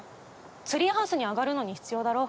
ツリーハウスに上がるのに必要だろ。